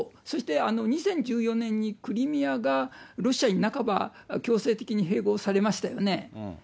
そして２０１４年にクリミアがロシアに半ば強制的に併合されましたよね。